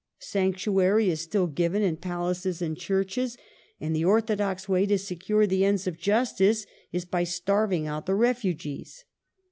Sanctuary is still given in palaces and churches, and the orthodox way to secure the ends of justice is by starving out the refugees.